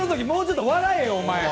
もうちょっと笑えよ、お前。